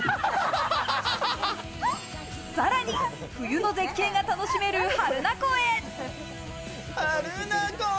さらに冬の絶景が楽しめる榛名湖へ。